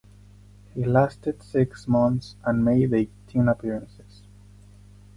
He lasted six months and made eighteen appearances.